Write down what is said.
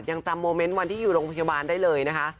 ยังจำโมเมนต์วันที่อยู่โรงพยาบาลได้เลยนะคะ